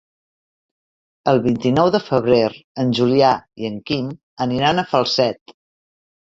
El vint-i-nou de febrer en Julià i en Quim aniran a Falset.